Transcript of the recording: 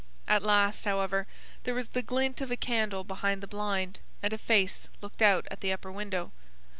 At last, however, there was the glint of a candle behind the blind, and a face looked out at the upper window.